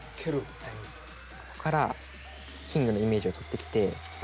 ここからキングのイメージを取ってきてなでると。